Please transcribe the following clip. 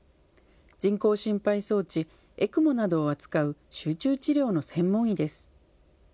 人工心肺装置・ＥＣＭＯなどを扱う集中治療の専門医です。